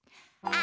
あ！